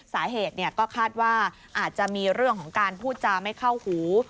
สาเหตุก็คาดว่าอาจจะมีเรื่องของการพูดจาไม่เข้าหู